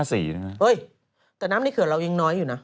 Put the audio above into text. แต่น้ำในเขื่อนเรายังน้อยอยู่นะ